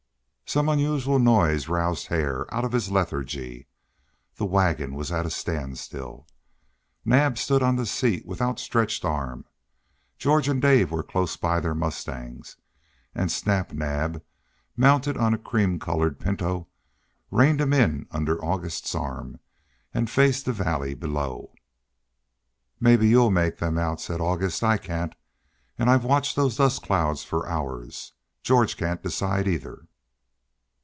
Some unusual noise roused Hare out of his lethargy. The wagon was at a standstill. Naab stood on the seat with outstretched arm. George and Dave were close by their mustangs, and Snap Naab, mounted on a cream colored pinto, reined him under August's arm, and faced the valley below. "Maybe you'll make them out," said August. "I can't, and I've watched those dust clouds for hours. George can't decide, either."